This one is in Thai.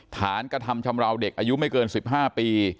กระทำชำราวเด็กอายุไม่เกิน๑๕ปี